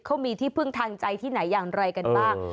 เขามีที่พึ่งทางใจที่ไหนอย่างไรกันบ้าง